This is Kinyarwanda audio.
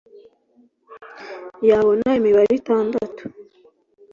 yabona imibare itandatu